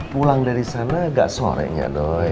pulang dari sana agak sorenya dong